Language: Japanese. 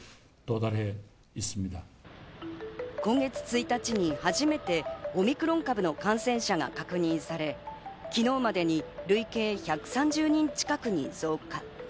今月１日に初めてオミクロン株の感染者が確認され、昨日までに累計１３０人近くまでに増加。